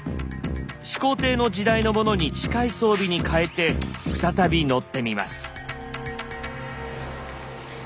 始皇帝の時代のものに近い装備に変えて再び乗ってみます。